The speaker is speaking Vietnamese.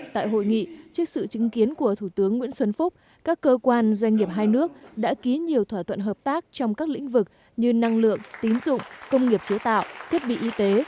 tại hội nghị trước sự chứng kiến của thủ tướng nguyễn xuân phúc các cơ quan doanh nghiệp hai nước đã ký nhiều thỏa thuận hợp tác trong các lĩnh vực như năng lượng tín dụng công nghiệp chế tạo thiết bị y tế